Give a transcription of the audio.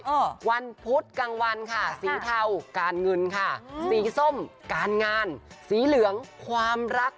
วันพุธกลางวันค่ะสีเทาการเงินค่ะสีส้มการงานสีเหลืองความรัก